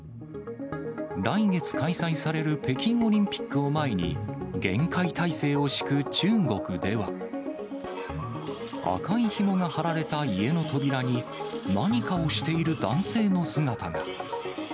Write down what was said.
来月開催される北京オリンピックを前に、厳戒態勢を敷く中国では、赤いひもが張られた家の扉に、何かをしている男性の姿が。